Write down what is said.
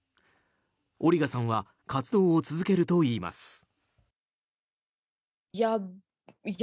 オリガさんは活動を続けるといいます。